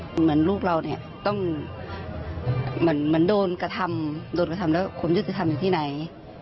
เหมือนลูกเราเนี่ยต้องเหมือนโดนกระทำโดนกระทำแล้วความยุติธรรมอยู่ที่ไหน